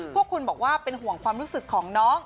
พวกคุณบอกว่าเป็นห่วงความรู้สึกของน้อง